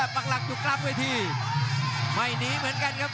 ปักหลักจุดกลับด้วยทีไม่หนีเหมือนกันครับ